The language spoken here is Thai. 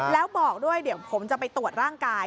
แล้วบอกด้วยเดี๋ยวผมจะไปตรวจร่างกาย